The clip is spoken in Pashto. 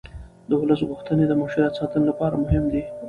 د ولس غوښتنې د مشروعیت ساتنې لپاره مهمې دي